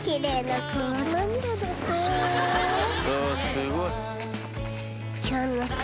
おすごい。